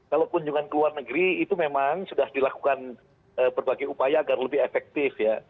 kalau kunjungan ke luar negeri itu memang sudah dilakukan berbagai upaya agar lebih efektif ya